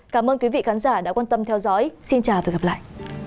cảm ơn quý vị khán giả đã quan tâm theo dõi xin chào và hẹn gặp lại